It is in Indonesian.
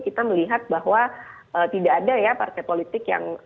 kita melihat bahwa tidak ada ya partai politik yang